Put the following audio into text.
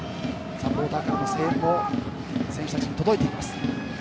サポーターからの声援も選手たちに届いています。